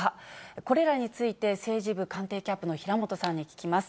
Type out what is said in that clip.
これらについて、政治部官邸キャップの平本さんに聞きます。